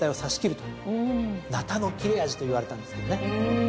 「ナタの切れ味」といわれたんですけどね。